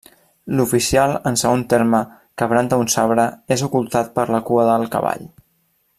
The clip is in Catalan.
L'oficial en segon terme que branda un sabre és ocultat per la cua del cavall.